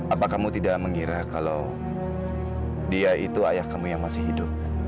apa kamu tidak mengira kalau dia itu ayah kamu yang masih hidup